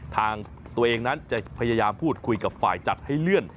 ตัวเองนั้นจะพยายามพูดคุยกับฝ่ายจัดให้เลื่อน